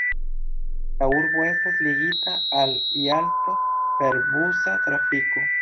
La urbo estas ligita al Jalto per busa trafiko.